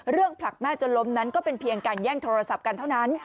ผลักแม่จนล้มนั้นก็เป็นเพียงการแย่งโทรศัพท์กันเท่านั้น